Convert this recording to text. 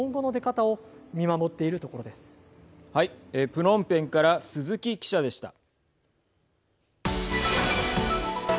プノンペンから鈴木記者でした。